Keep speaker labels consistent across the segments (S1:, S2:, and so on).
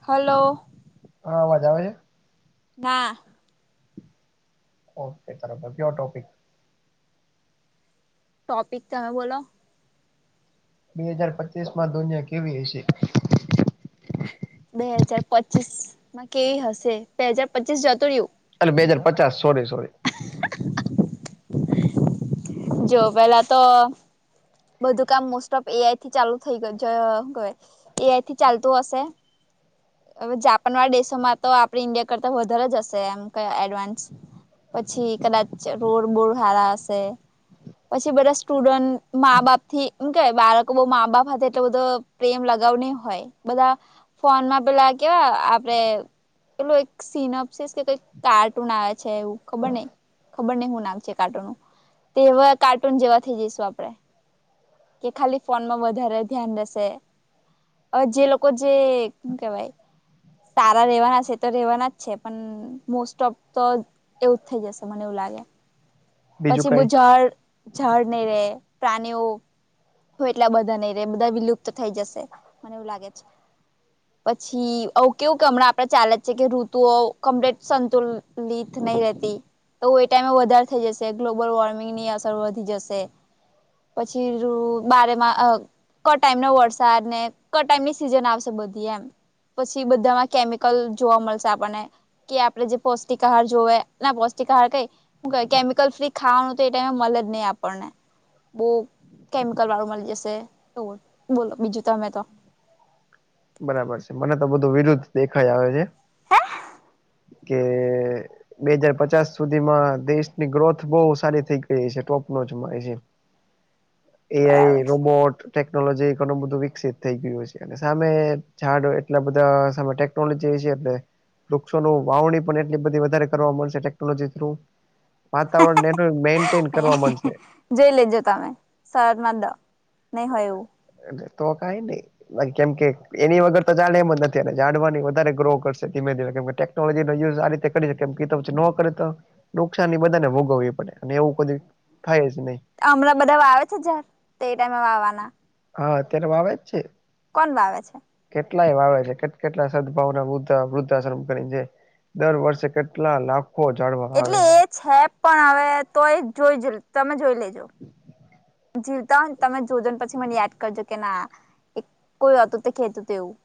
S1: Hello.
S2: હા, અવાજ આવે છે.
S1: ના.
S2: ઓકેયો ટોપિક.
S1: ટોપિક તમે બોલો
S2: બે હાજાર પચીસ માં દુનિયા કેવી હશે.
S1: બે હાજાર પચીસ માં કેવી હશે. બે હાજાર પચીસ જતો રહ્યું.
S2: અને બે હાજાર પચાસ સોરી, સોરી.
S1: જો પેહલાં તો બધું કામ મોસ્ટઓફ એ આઈ થી ચાલુ થઈ ગયું ચ હું કેવાય. એ આઈ થી ચાલતું હશે. હવે જાપાનવાળા દેશમાં તો આપણે ઈન્ડિયા કરતાં વધારે જ હશે એમ કે એડવાન્સ. પછી કદાચ રોડ બોડ હારા હશે. પછી બધા સ્ટુડન્ટ મા બાપથી હું કેવાય બાળકો બઉ મા બાપ હાથે એટલે બધું પ્રેમ લગાવ નઈ હોય બધાં ફોનમાં પેલાં કેવાં આપડે પેલું એક સીનઅપ શે કે કંઈક કાર્ટૂન આવે છે એવું ખબર નઈ. ખબર નઈ હું નામ છે એ કાર્ટૂનનું. તેવા કાર્ટૂન જેવા થઈ જઈશું આપડે. કે ખાલી ફોનમાં વધારે ધ્યાન રહેશે. જે લોકો જે હું કેવાય? તારા જેવા રહેવાના છે તો રેવાના જ છે પણ મોસ્ટઓફ તો એવું જ થઈ જશે મને એવું લાગે.
S2: બીજું
S1: પછી બહુ
S2: કઈ
S1: ઝાડળ ઝાડ નહીં રે, પ્રાણીઓ હોય એટલે આ બધાં નહી રે બધા વિલુપ્ત થઈ જશે મને એવું લાગે છે. પછી આવું કેવું કે હમણાં આપડે ચાલે જ છે કે ઋતુઓ કમપ્લેટ સંતુલિત નહીં રેહતી. તો આવું એ ટાઈમ વધારે થઈ જશે, ગ્લોબલ વોર્મિંગની અસર વધી જશે. પછી રૂ બારેમાં ક ટાઈમ નો વરસાદ ને ક ટાઈમની સિઝન આવશે બધી એમ પછી બધામાં કેમિકલ જોવા મળશે આપણને કે આપડે જે પોસ્ટિક આહાર જોવે ના પ્રોસ્ટિક આહાર કઈ શું કેવાઈ કેમિકલ ફ્રી ખાવાનું તો એ ટાઈમે મળે જ નહી આપણને બો [unintelligible] મળી જશે એ બોલો બીજું તમે તો
S2: બરાબર છે. મને તો બધું વિરુદ્ધ દેખાય આવે છે. કે બે હજાર પચાસ સુધીમાં દેશની ગ્રોથ બહુ સારી થઈ ગઈ છે. ટોપ નો જ છે. હા એ
S1: બરાબર
S2: આઈ
S1: છે
S2: રોબોટ ટેકનોલોજી ઘણું બધું વિકસિત થઈ ગયું છે અને સામે ઝાડ એટલા બધા સામે ટેકનોલોજી છે એટલે વૃક્ષો નું વાવણી પણ એટલી બધી વધારે કરવા મળશે ટેકનોલોજી થ્રુ વાતાવરણ નેટવક મેન્ટેન કરવા મળશે.
S1: જોઈ લેજો તમે શરદમાં દ નહી હોય એવુ
S2: તો કઈ નહી કેમ કે એની વગર તો ચલે એમ જ નથી અને જાડવાની વધારે ગ્રો કરશે ધીમે ધીમે કેમ ટેકનોલોજી નો યુઝ આ રીતે કરી નો કરે તો નુકસાન બધા ને ભોગવવી પડે અને એવું કોઈ થાય જ નહી
S1: હમણાં બધા વાવે છે ઝાડ તે એ ટાઈમે વાવા ના
S2: હા અત્યારે વાવે જ છે.
S1: કોણ વાવે છે?
S2: કેટલા એ વાવે છે કે કેટલા સદ્દભાવના વ્રુર્ધાસમ્ કરીને છે. દર વર્ષે કેટલા લાખો ઝાડ વાવે
S1: એટલે
S2: છે.
S1: એ છે પણ હવે તો એ જોઈ તમે જોઈ લેજો. જીવતા હો ને તમે જોજો ને પછી મને યાદ કરજો કે ના કોઈ હતું તે કેતુતુ તે એવું.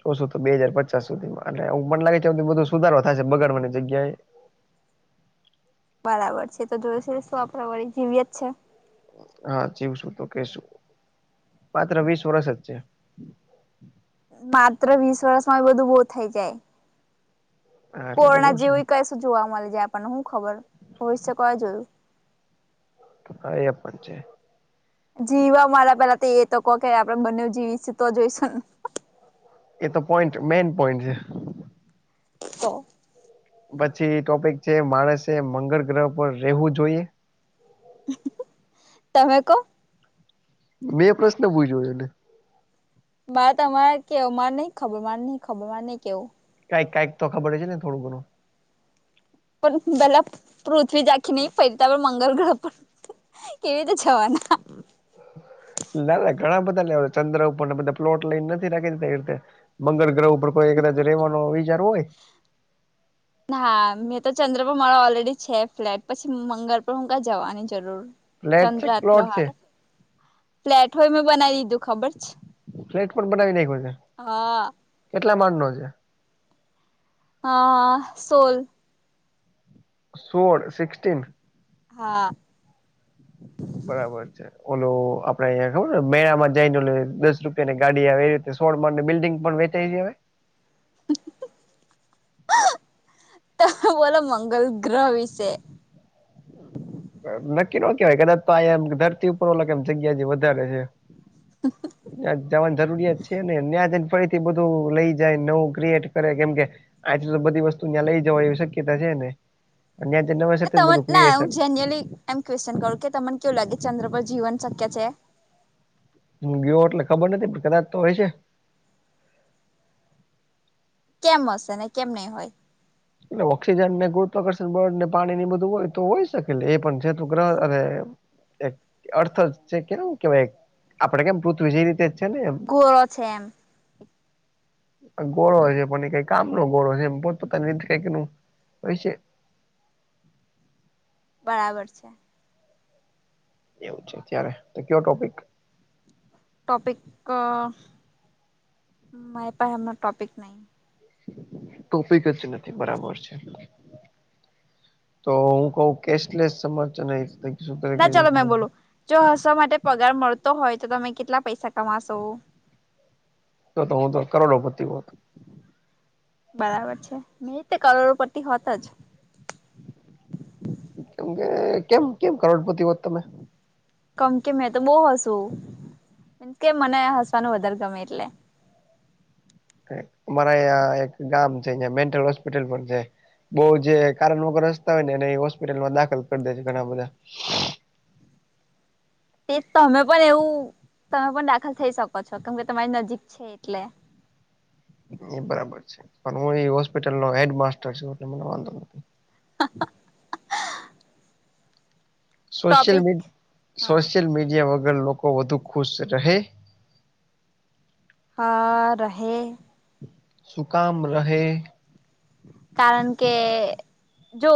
S2: [unintelligible] તો બે હજાર પચાસ સુધીમાં એને હું મને પણ લાગે છે કે બધું સુધારવા થશે બગાડવાની જગ્યાએ
S1: બરાબર છે, તો જોઈશે શું આપડે વળી જીવીય જ છે.
S2: હા જીવ શું તો કેશું માત્ર વીસ વર્ષ જ છે.
S1: માત્ર વીસ વર્ષમાં એ બધું બહુ થઈ જાય
S2: હા એટલે
S1: કોરોના
S2: જોશું
S1: જેવું કશું જોવા મળી જાય આપણને શું ખબર ભવિષ્ય કોઈ જોયું
S2: હા એ પણ છે.
S1: જીવવા મારા પેલા તો એ તો કહ કે આપણેે બંને જીવીશ તો જોઈશું ને
S2: એ તો પોઈન્ટ મેન પોઈન્ટ છે.
S1: તો
S2: પછી ટોપિક છે માણસે મંગળ ગ્રહ પર રહેવું જોઈએ?
S1: તમે કો
S2: મેં પ્રશ્ન પૂછ્યો એને
S1: વાત અમારે કેવું માં નહી ખબર માં નહીં ખબર માં નહ કેવું
S2: કાઈક કાઈક તો ખબર છે ને થોડું ઘણુ
S1: પણ પેલા પૃથ્વી જખી નહી ફરીતા પણ મંગલ ગ્રહ પણ કેવી રીતે જવાના
S2: ના ના ઘણા બધા લેવા ચંદ્ર ઉપરને બધા પ્લોટ લઈને નથી રાખી એ રીતે મંગલ ગ્રહ ઉપર કોઈ એકદાજ રવાનો વિચાર હોય
S1: હા મેં તો ચંદ્રપુર મારા ઓલરેડી છે ફ્લેટ પછી મંગળ પર હું કઈ જવાની જરૂર
S2: ફ્લેટ છે
S1: ચંદ્ર એટલો
S2: પ્લોટ છે
S1: હાલ ફ્લેટ હોય મેં બનાવી દીધું ખબર છે.
S2: ફ્લેટ પણ બનાવી નાખ્યું છે
S1: હા
S2: કેટલા માડ નો છે
S1: હા સોલ
S2: સોડ સિક્સટીન?
S1: હા
S2: બરાબર છે ઓલો આપડે અહંયા ખબર મેળામાં જઈને ઓલે દસ રૂપિયા ની ગાડી આવે એ રીતે છોડ બિલ્ડિંગ પણ વેચાઈ દેવાય
S1: તમે બોલો મંગલ ગ્રહ વિશે
S2: નક્કી ન કેવાય કદાચ તો આ ધરતી ઉપર ઓલા એમ જગ્યા જે વધારે હે જ્યાં જવાન જરૂરિયાત છે છે ને ન્યાજને ફરીથી બધું લઈ જાય નવું ક્રિએટ કરે કેમ કે આથી તો બધી વસ્તુ ત્યાં લઈ જવાય એવી શક્યતા છે નેયાં જ ઈને બધું ફરીથી
S1: નાલિ એમ ક્વેશન કરું કે તમને કેવું લાગે ચંદ્ર પર જીવન શક્ય છે
S2: હ ગયો એટલે ખબર નથી પણ કદાચ તો હોય છે
S1: કેમ હશે ને કેમ નહી હોય
S2: એટલે ઓક્સિજન ને ગુરુત્કર્ષણ બળ ને પાણી ની બધું હોય તો હોય શકે એ પણ છેતુ ગ્રહ અને અર્થ છે કેવું કેવાય આપડે કેમ પૃથ્વી જે રીતે જ છે ને એમ
S1: કોરો છે એમ
S2: ગોળો હોય છે પણ કઈ કામ નો ગોળો હોય એ પોતપોતાધ ફેક નું હો છે
S1: બરાબર છે
S2: એવું છે ત્યારે તો કયો ટોપિક
S1: ટોપિક મારે પાહે હમણા ટોપિક નહીં
S2: ટોપિક જ નથી બરાબર છે તો હું કેશલેસ સમ નહી થું [unintelligible]
S1: ના ચાલો મેં બોલું જો હસવા માટે પગાર મળતો હોય તો તમે કેટલા પૈસા કમાશો
S2: તો તો હું તો કરોડોપતિ હો
S1: બરાબર છે મે કરોડો પરથી હોત જ
S2: કેમ કે કેમ કેમ કરોડપતિ હોત તમે
S1: કમ કે મેં તો બહુ હસુ કે મને હસવાનું વધારે ગમે એટલે
S2: અમારાં એક ગામ છેં મેન્ટલ હોસ્પિટલ પણ છે બહુ જે કારણ વગર હસ્તા હોય ને એને હોસ્પિટલમાં દાખલ કરી દે છે ઘણા બધા
S1: તે તમે પણ એવું તમે પણ દાખલ થઈ શકો છો કેમ કે તમારી નજીક છે એટલે
S2: એ બરાબર છે પણ હું એ હોસ્પિટલ નો હેડ માસ્ટર છું એટલે મને વાંધો નથી
S1: [inaudible]
S2: સોશિયલ
S1: ટોપિક
S2: મી
S1: હા
S2: સોશિયલ મીડિયા વગર લોકો વધુ ખુશ રહે.
S1: હા.. રહે
S2: શું કામ રહે?
S1: કારણ કે જો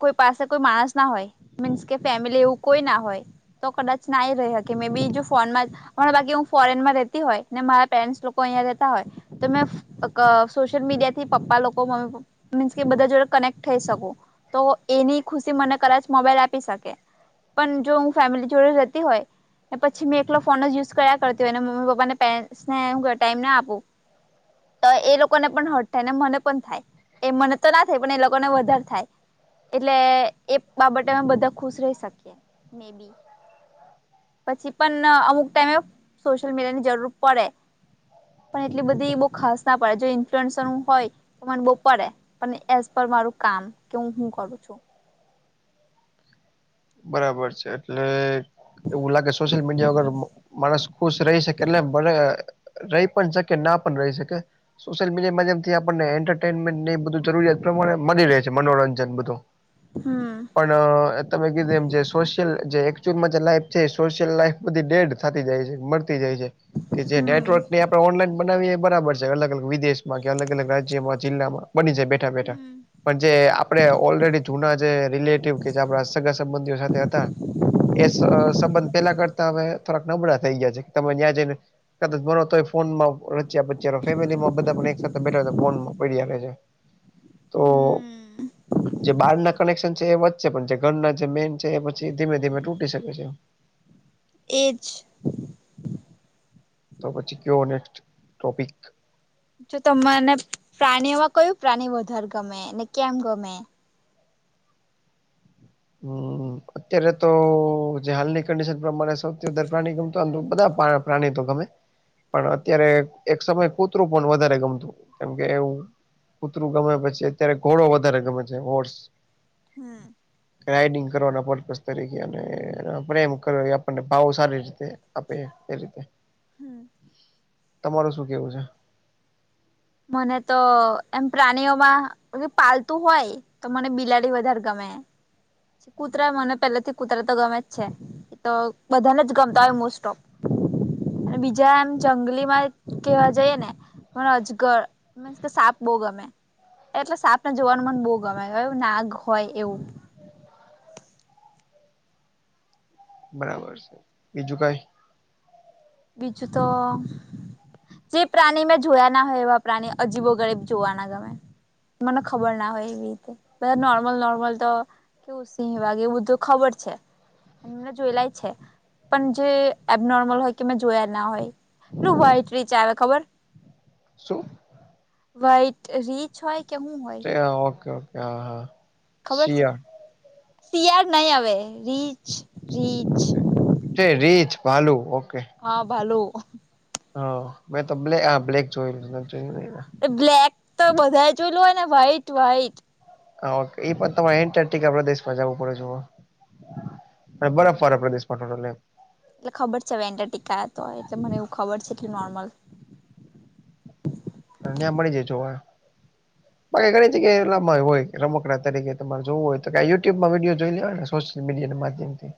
S1: કોઈ પાસે કોઈ માણસ ના હોય, મીન્સ કે, ફેમિલી એવું કોઈ ના હોય તો કદાચ ના એ રહી હકે મે બી જો ફોનમાં બાકી હું ફોરેનમાં રહેતી હોય ને મારા પેરેનટસ લોકો અહં રેતા હોય તો મે અ સોશિયલ મીડિયા થી પપ્પા લોકો મમ્મી પપ્પા મીન્સ કે બધા જોડે કનેક્ટ થઈ શકું, તો એની ખુશી મને કદાચ મોબાઈલ આપી શકે. પણ જો હું ફેમિલી જોડે રહેતી હોય. પછી મેં એકલો ફોન જ યુઝ કર્યા કરતી હોઈ અને મમ્મી પપ્પાને પેરેન્ટ્સને હુ ટાઈમ ના આપું તો એ લોકો ને પણ હર્ટ થાય ને મને પણ થાય એ મને તો ના થાય પણ એ લોકોને વધારે થાય. એટલે એ બાબતે અમે બધા ખુશ રહી શકીએ. મે બી પછી પણ અમુક ટાઈમે સોશિયલ મીડિયા ની જરૂર પડે. પણ એટલી બધી બહુ ખાસ ના પડે જો ઈન્ફ્લુએન્સર હું હોય, તો મને બો પડે પણ એસ પર મારું કામ કે હું કરું છું.
S2: બરાબર છે. એટલે એવું લાગે સોશિયલ મીડિયા વગર માણસ ખુશ રહી શકે. એટલે ભલે રહી પણ શકે, ના પણ રહી શકે. સોશિયલ મીડિયા માધ્યમથી આપણને એન્ટરટેનમેન્ટ ને બધું જરૂરિયાત પ્રમાણે મળી રહે છે. મનોરંજન બધું [inaudible]
S1: હમ.
S2: પણ અ તમે જેવી એમ જે સોશિયલ જે એક્યુઅલમાં જે લાઈફ છે, એ સોશિયલ લાઈફ બધી ડેડ થતી જાય છે મરતી જાય છે. કે જે
S1: હમ
S2: નેટવર્ક ને એમ આપણે ઓનલાઈન બનાવીએ એ બરાબર છે. અલગ અલગ વિદેશમાં કે અલગ અલગ રાજ્યમાં, જિલ્લામાં બની જાય બેઠા બેઠા
S1: હમ
S2: પણ જે આપણે ઓલરેડી જૂના જે રિલેટિવ કે જે આપડા સગા સંબંધી [unintelligible] તે હતા. એ સંબંધ પેલા કરતા હવે થોડાક નબળા થઈ ગયા છે, તમે જ્યાં જઈને કદાચ તો ફોનમાં રચ્યા પચ્યા ને ફેમિલીમાં પણ એક સાથે બેઠા તો ફોન માં પડી જ છે. તો,
S1: હમ
S2: જે બાર ના કનેક્શન છે એ વચ્ચે પણ ઘર ના જે મેન છે એ પછી ધીમે ધીમે તૂટી શકે છે.
S1: એજ.
S2: તો પછી કેવો ને ટોપિક.
S1: જો તમને પ્રાણીઓમાં કયું પ્રાણી વધારે ગમે ને કેમ ગમે?
S2: હમ. અત્યારે તો, જે હાલની કન્ડિશન પ્રમાણે સૌથી વધારે પ્રાણી ગમતા બધા પ્રાણી તો ગમે પણ અત્યારે એક સમય કુતરું પણ વધારે ગમતું, કેમકે એવું કુતરું ગમે પછી અત્યારે ઘોડો વધારે ગમે છે હોર્સ.
S1: હમ.
S2: રાઇડિંગ કરવાના પર્પસ તરીકે અને એ પ્રેમ કરી એ આપને ભાવો સારી રીતે આપે, એ રીતે.
S1: હમ.
S2: તમારું શું કેવું છે?
S1: મને તો, એમ પ્રાણીઓમાં પાલતું હોય તો મને બિલાડી વધારે ગમે. કુતરા મને પેલાથી કુતરા તો ગમે જ છે. તો બધાને જ ગમતા હોય મોસ્ટ ઓફ. અને બીજા એમ જંગલી માં કેવા જઈએ ને પણ અજગર મીન્સ કે સાપ બહું ગમે એટલે સાપને જોવાનું મન બહું ગમે એ નાગ હોય એવું.
S2: બરાબર છે બીજું કઈ?
S1: બીજું તો જે પ્રાણી મેં જોયા ના હોય એવા પ્રાણી અજીબો ગરીબ જોવાના ગમે મને ખબર ના હોય બધા નોર્મલ નોર્મલ તો કેવું સિંહ વાઘ એ બધું ખબર છે. મેં જોયેલાય છે પણ જે એબનોર્મલ હોય કે મે જોયા ના હોય પેલું વાઇટ રીચ આવે ખબર
S2: શું?
S1: વાઈટ રીંછ હોય કે હું હોય?
S2: હા, ઓકે, ઓકે, હા, હા.
S1: ખબર છે
S2: શિયાળ
S1: શિયાળ નહીં હવે રીંછ રીંછ
S2: તે રીંછ ભાલુ ઓકે.
S1: હા ભાલુ.
S2: હા મેં તો બ્લે આ બ્લેક જોયેલું [unintelligible]
S1: બ્લેક તો બધા જોયેલું હોય ને, વ્હાઈટ વ્હાઈટ.
S2: હા એ પણ તમારે એન્ટારક્ટિક આપડા દેશમાં જવું પડે જોવા અને બરફ વારા પ્રદેશ માં તે મલે.
S1: એટલે ખબર છે હવે એન્ટ્રકટિકા તો એટલે મને એવું ખબર છે એટલું નોર્મલ.
S2: ત્યાં મળી જાય જોવા. બા ઘણી જગ્યા એય રમકડા તકે તમારે જોવું હોય તો કે યુટ્યુબમાં વિડીયો જોઈ લેવાયને સોશિયલ મીડિયાના માધ્યમથી.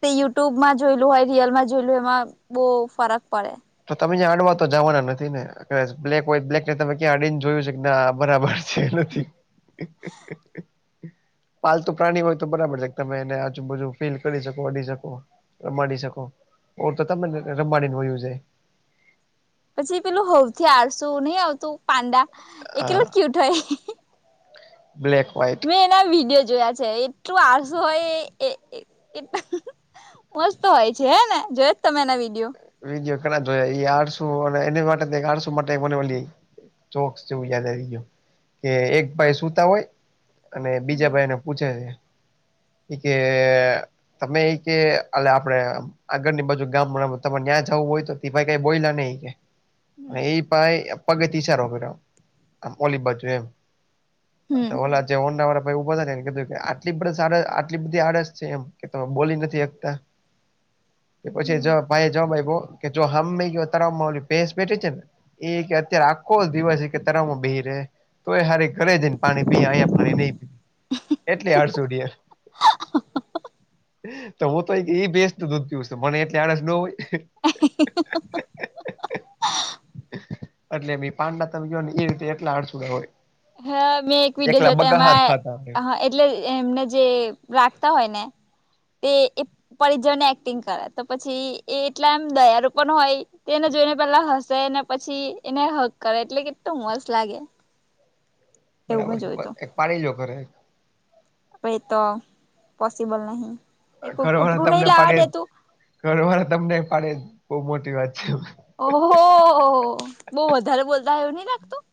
S1: તે યુટ્યુબમાં જોયેલું હોય, રિયલમાં જોયલું એમાં બહુ ફરક પડે.
S2: તો તમે ત્યાં અડવા તો જવાના નથી ને. બ્લેક હોય બ્લેક ને તમે ક્યાં અડીને જોયું છે કે ના બરાબર છે નથી. પાલતુ પ્રાણી હોય તો બરાબર છે તમે એને આજુબાજુ ફીલ કરી શકો, અડી શકો. રમાડી શકો. ઓર તો તમને રમાડી ને વયું જાય.
S1: પછી પેલું હવ થી આળસું નહી આવતું પાંડા એ કેવો
S2: જાય
S1: ક્યુટ હોય.
S2: બ્લેક, વાઇટ
S1: કેટલા વિડીયો જોયા છે. એટલું આળસું હોય એ એટ મસ્ત હોય છે હે ને. જોયા છે તમે એના વિડીયો?
S2: વિડીયો ગણા જોયા એ આળસુ અને એની માટે આળસુ માટે મને એક ઓલી જોક્સ જેવું યાદ આવી ગયું. કે એક ભાઈ સુતા હોય અને બીજા
S1: હમ
S2: ભાઈને પૂછે છે એ કે તમે એ કે અ આપડે આગળની બાજુ ગામવાળા તને નયા જવું હોય તો તે ભાઈ કાઈ બોલા નહી ઈ કે અને
S1: હમ
S2: એ ભાઈ પગેથી ઈસારો કર ઓલી બાજુ એમ
S1: હમ
S2: તો ઓલા જે હોન્ડા વાળા ભાઈ ઉભા તા ને એને કીધું આટલી બસ આટલી બધી આળસ છે એમ કે તમે બોલી નથી હકતા. પછી એ જવાબ
S1: હમ
S2: ભાઈ એ જવાબ આપ્યો કે જો હામ ગયો તળાવમાં ભેંસ બેઠી છે ને એ કે અત્યારે આખો જ દિવસ છે કે તળાવમાં બેહી રહેે. તોય હારી ઘરે જ ને પાણી પીએ અહીંયા પાણી નહી પીએ. એટલી આળસુલી હે. તો હું તો ઈ ભેંસનો દૂધ પીવું છું. તો મને એટલે આળસ ન હોય.
S1: હા હા હા
S2: એટલે બી પાંડા તમે કયો ને એ રીતે એટલા આળસુડા હોય.
S1: હા મેં એક વિડીયો
S2: એકલા
S1: જોતા
S2: બગા હાથ
S1: એમાં
S2: ખાતા હોય
S1: હા એ એટલે એમને જે રાખતા હોય ને તે પરિજને એક્ટિંગ કરે. તો પછી એ એટલા એમ દયારુ પણ હોય. તે એને જોઈને પેલા હસે ને પછી એને હક કરે એટલે કેટલુ મસ્ત લાગે. એવું
S2: બરાબર
S1: મેં જોયું
S2: છે.
S1: તું
S2: એક પાડી લ્યો ઘરે એક.
S1: હવે એ તો પૉસિબલ નહી. એ
S2: ઘરવાળા
S1: કુતરું નહીં
S2: તમને
S1: લવા
S2: પાડે
S1: દેતું.
S2: ઘરવાળા તમને પાડે બહુ મોટી વાત છે.
S1: ઓહો! બવ વધારે બોલતા હોય એવું નહિ લાગતું.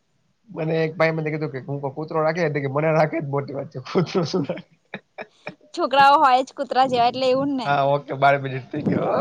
S2: મને એક ભાઈ મને કીધું કે હ કૂતરો રાખે કે મને રાખે એજ મોટી વાત છે. કૂતરો શું રાખે.
S1: છોકરાઓ હોય જ કૂતરા જેવા એટલે એવું જ ને.
S2: હા ઓકે બાર મિનિટ થઈ ગયો